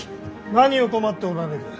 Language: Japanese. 何を困っておられる。